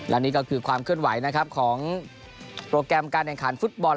และนี่ก็คือความเคลื่อนไหวนะครับของโปรแกรมการแข่งขันฟุตบอล